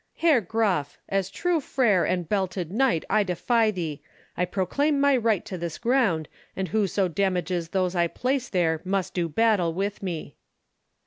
"Herr Graf, as true Freiherr and belted knight, I defy thee! I proclaim my right to this ground, and whoso damages those I place there must do battle with me."